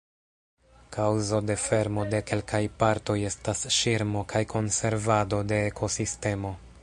Kaŭzo de fermo de kelkaj partoj estas ŝirmo kaj konservado de ekosistemo.